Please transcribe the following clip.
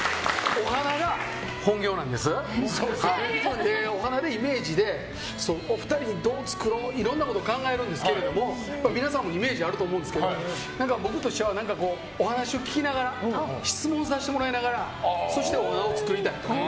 お花でお二人のイメージでどう作ろういろんなこと考えるんですけども皆さんもイメージあると思うんですけど僕としてはお話を聞きながら質問させてもらいながらお花を作りたいと。